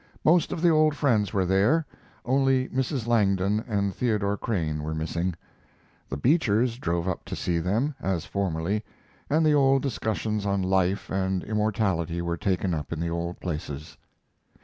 Most of the old friends were there; only Mrs. Langdon and Theodore Crane were missing. The Beechers drove up to see them, as formerly, and the old discussions on life and immortality were taken up in the old places.